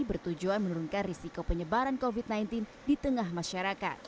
bertujuan menurunkan risiko penyebaran covid sembilan belas di tengah masyarakat